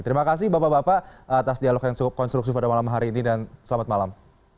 terima kasih bapak bapak atas dialog yang cukup konstruksi pada malam hari ini dan selamat malam